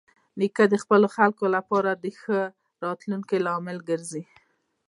نیکه د خپلو خلکو لپاره د ښه راتلونکي لامل ګرځي.